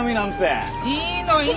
いいのいいの。